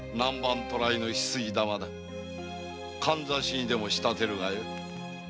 カンザシにでも仕立てるがよい。